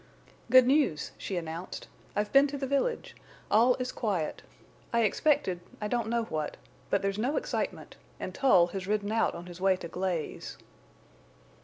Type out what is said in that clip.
"Good news," she announced. "I've been to the village. All is quiet. I expected—I don't know what. But there's no excitement. And Tull has ridden out on his way to Glaze."